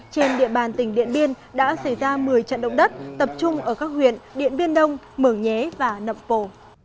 trên địa bàn tỉnh điện biên đã xảy ra một mươi trận động đất tập trung ở các huyện điện biên đông mở nhé và nậm pồ